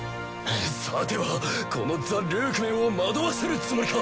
さてはこのザ・ルークメンを惑わせるつもりか！